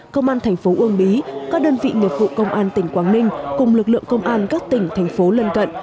công an thành phố uông bí các đơn vị nghiệp vụ công an tỉnh quảng ninh cùng lực lượng công an các tỉnh thành phố lân cận